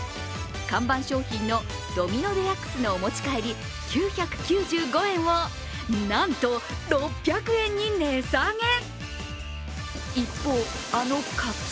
看板商品のドミノ・デラックスのお持ち帰り９９５円をなんと６００円に値下げ。